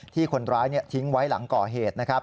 ที่คนร้ายทิ้งไว้หลังก่อเหตุ